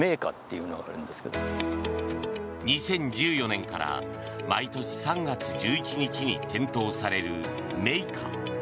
２０１４年から毎年３月１１日に点灯される「明花」。